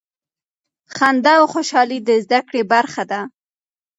خندا او خوشحالي د زده کړې برخه ده.